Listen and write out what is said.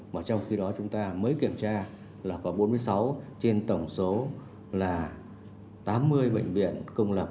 mà trong khi đó chúng ta mới kiểm tra là có bốn mươi sáu trên tổng số là tám mươi bệnh viện công lập